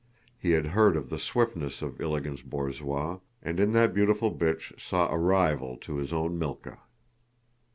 He had heard of the swiftness of Ilágin's borzois, and in that beautiful bitch saw a rival to his own Mílka.